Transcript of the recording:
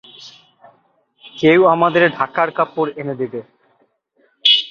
কেউ আমাদের ঢাকার কাপড় এনে দিবে।